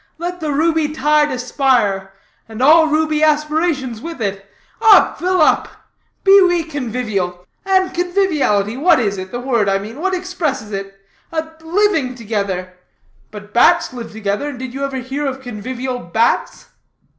Let the ruby tide aspire, and all ruby aspirations with it! Up, fill up! Be we convivial. And conviviality, what is it? The word, I mean; what expresses it? A living together. But bats live together, and did you ever hear of convivial bats?"